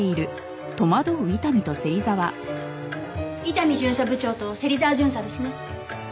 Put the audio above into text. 伊丹巡査部長と芹沢巡査ですね？